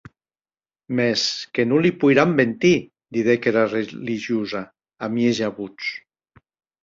Mès que non li poiram mentir, didec era religiosa, a mieja votz.